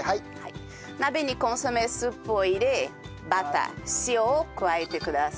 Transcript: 鍋にコンソメスープを入れバター塩を加えてください。